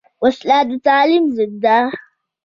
وسله د تعلیم ضد ده